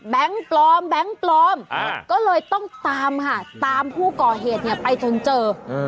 ปลอมแบงค์ปลอมก็เลยต้องตามค่ะตามผู้ก่อเหตุเนี่ยไปจนเจอ